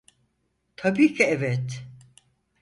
Tabii ki evet.